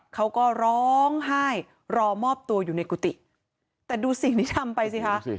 เขาก็ร้องไห้รอมอบตัวอยู่ในกุฏิแต่ดูสิ่งที่ทำไปสิคะ